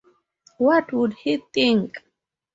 What would he think?